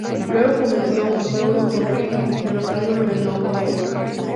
Luego comenzó un feudo con Rhyno, derrotándolo en "No Way Out".